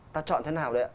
ta chọn thế nào đấy ạ